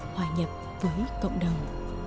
hòa nhập với cộng đồng